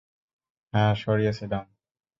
হ্যাঁ সরিয়ে ছিলাম।